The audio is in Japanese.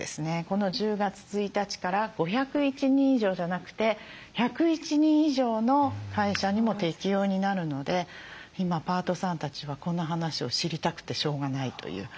この１０月１日から５０１人以上じゃなくて１０１人以上の会社にも適用になるので今パートさんたちはこの話を知りたくてしょうがないという。